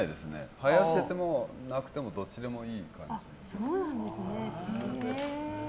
生やしてても、なくてもどっちでもいいです。